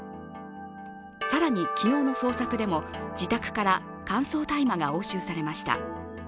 更に昨日の捜索でも、自宅から乾燥大麻が押収されました。